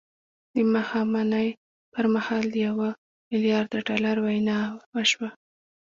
د ماښامنۍ پر مهال د يوه ميليارد ډالرو وينا وشوه.